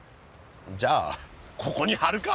じゃあここに張るか？